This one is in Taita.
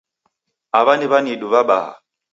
Awa ni w'anidu wabaha